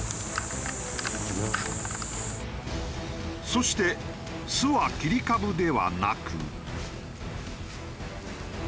そして巣は切り株ではなく。